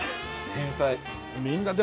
天才。